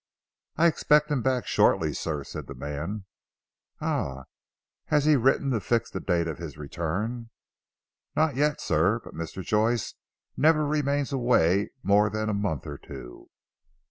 "I expect him back shortly sir," said the man. "Ah! Has he written to fix the date of his return?" "Not yet sir. But Mr. Joyce never remains away more than a month or two."